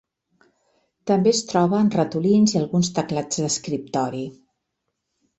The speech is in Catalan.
També es troba en ratolins i alguns teclats d'escriptori.